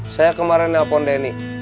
saya kemarin nelpon denny